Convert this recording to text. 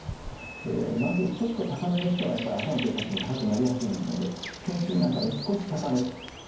まずちょっと高めの人はやっぱり朝の血圧も高くなりやすいので検診なんかで少し高めと。